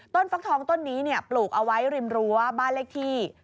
ฟักทองต้นนี้ปลูกเอาไว้ริมรั้วบ้านเลขที่